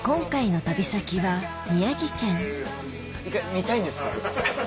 見たいんです。